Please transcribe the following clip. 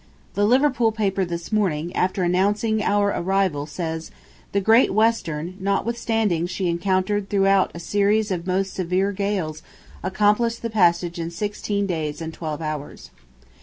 . The Liverpool paper this morning, after announcing our arrival says: "The Great Western, notwithstanding she encountered throughout a series of most severe gales, accomplished the passage in sixteen days and twelve hours."